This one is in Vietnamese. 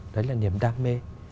đấy là niềm đam mê